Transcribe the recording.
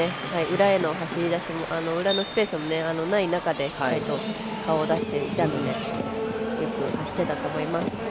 裏への走り出しも裏のスペースもない中で顔を出していたのでよく走っていたと思います。